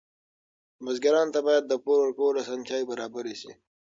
بزګرانو ته باید د پور ورکولو اسانتیاوې برابرې شي.